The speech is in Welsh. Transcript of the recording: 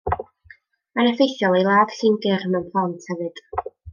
Mae'n effeithiol i ladd llyngyr mewn plant hefyd.